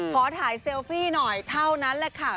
ขอถ่ายเซลฟี่หน่อยเท่านั้นแหละค่ะ